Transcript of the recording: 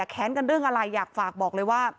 แค้นกันเรื่องอะไรอยากฝากบอกเลยว่า